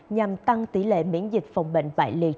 nhằm tăng tỷ lệ miễn dịch phòng bệnh vại liệt